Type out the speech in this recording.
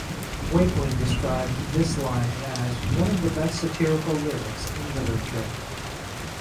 Wakeling described this line as "one of the best satirical lyrics in literature".